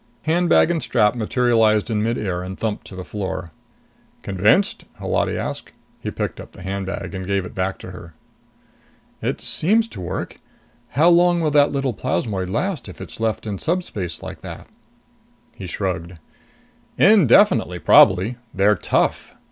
Handbag and strap materialized in mid air and thumped to the floor. "Convinced?" Holati asked. He picked up the handbag and gave it back to her. "It seems to work. How long will that little plasmoid last if it's left in subspace like that?" He shrugged. "Indefinitely, probably. They're tough.